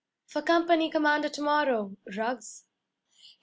'For company commander to morrow Ruggs!'